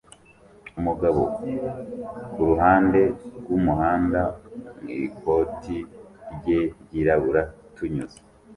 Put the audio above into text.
Umugabo kuruhande rwumuhanda mwikoti rye ryirabura tunyuze